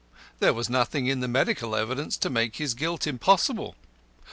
There was nothing in the medical evidence to make his guilt impossible.